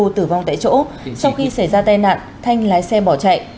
tử vong tại chỗ sau khi xảy ra tai nạn thanh lái xe bỏ chạy